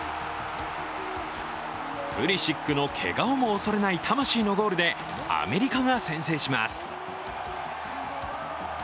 プリシックのけがをも恐れない魂のゴールでアメリカが先制します。